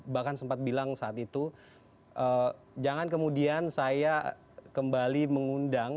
bahkan sempat bilang saat itu jangan kemudian saya kembali mengundang